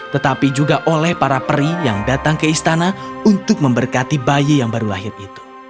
tetapi juga oleh para peri yang datang ke istana untuk memberkati bayi yang baru lahir itu